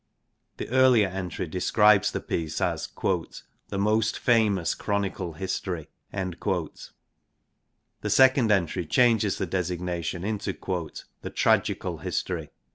The earlier entry describes the piece as 'the most famous chronicle history.' The second entry changes the designation into ' the tragical history.'